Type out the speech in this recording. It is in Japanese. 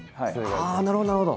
なるほどなるほど。